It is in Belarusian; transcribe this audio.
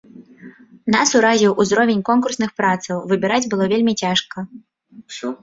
Нас уразіў узровень конкурсных працаў, выбіраць было вельмі цяжка.